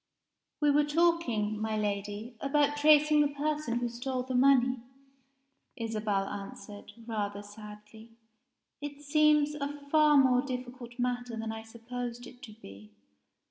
"We were talking, my Lady, about tracing the person who stole the money," Isabel answered, rather sadly. "It seems a far more difficult matter than I supposed it to be.